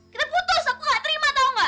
kita putus aku gak terima tau gak